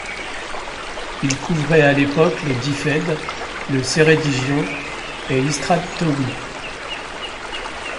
Il couvrait à l'époque le Dyfed, le Ceredigion et Ystrad Towi.